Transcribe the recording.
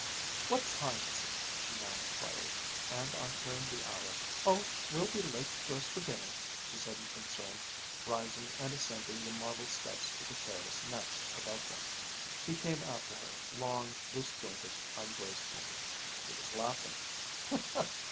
"What time is it?" she now inquired, and on hearing the hour, "Oh, we'll be late to dress for dinner," she said in concern, rising and ascending the marble steps to the terrace next above them. He came after her, long, loose jointed, ungraceful. He was laughing.